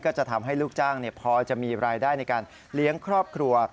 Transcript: จะทำให้ลูกจ้างพอจะมีรายได้ในการเลี้ยงครอบครัว